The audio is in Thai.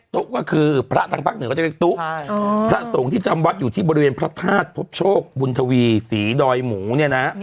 โต๊ะก็คือพระทางภาคเหนือก็จะเรียกตุ๊พระสงฆ์ที่จำวัดอยู่ที่บริเวณพระธาตุพบโชคบุญทวีศรีดอยหมูเนี่ยนะ